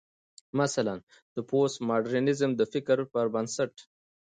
مثلا: د پوسټ ماډرنيزم د فکر پر بنسټ